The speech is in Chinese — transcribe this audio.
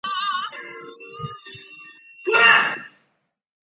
其后大厦改建为仓库及办公室。